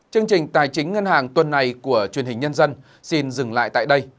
chương trình tài chính ngân hàng tuần này của truyền hình nhân dân xin dừng lại tại đây